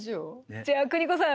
じゃ邦子さん